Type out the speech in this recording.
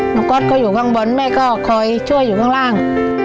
ก๊อตก็อยู่ข้างบนแม่ก็คอยช่วยอยู่ข้างล่าง